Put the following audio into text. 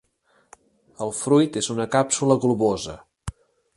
El fruit és una càpsula globosa.